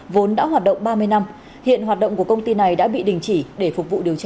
vốn đã hoạt động ba mươi năm hiện hoạt động của công ty này đã bị đình chỉ để phục vụ điều tra